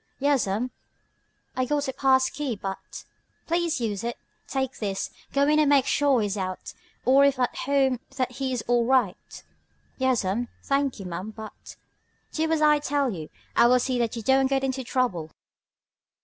"Yas'm, I got a pass key, but " "Please use it. Take this. Go in and make sure he is out, or if at home that he is all right." "Yas'm, thanky ma'am, but " "Do as I tell you. I will see that you don't get into trouble."